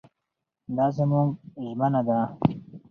دا زموږ ژمنه ده.